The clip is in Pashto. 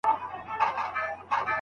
زلفې دې په غرونو کې راونغاړه